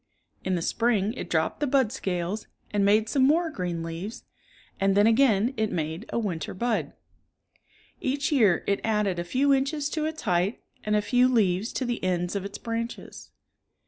In the spring it dropped the bud scales, and made some more green leaves, and then again it made a winter bud. Each year it added a few Inches to its height and a few leaves to the ends of its branches.